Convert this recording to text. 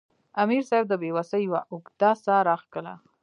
امیر صېب د بې وسۍ یوه اوږده ساه راښکله